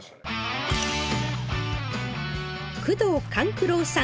宮藤官九郎さん